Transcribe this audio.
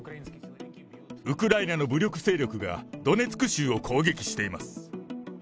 ウクライナの武力勢力がドネツク州を攻撃しています。